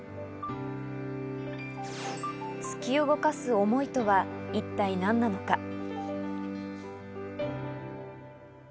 突き動かす思いとは一体何なのか。